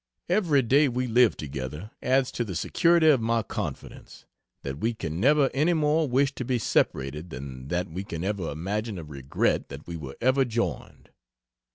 Every day we live together adds to the security of my confidence, that we can never any more wish to be separated than that we can ever imagine a regret that we were ever joined.